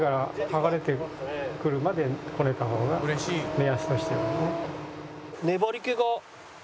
目安としてはね。